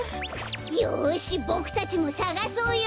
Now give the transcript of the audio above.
よしボクたちもさがそうよ！